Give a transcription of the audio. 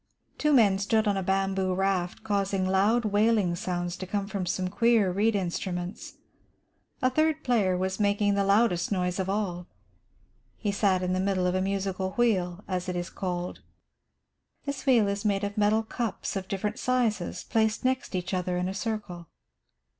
Two men stood on a bamboo raft causing loud, wailing sounds to come from some queer reed instruments. A third player was making the loudest noise of all. He sat in the middle of a musical wheel, as it is called. This wheel is made of metal cups of different sizes placed next each other in a circle.